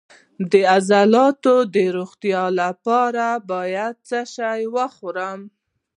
د عضلاتو د روغتیا لپاره باید څه شی وخورم؟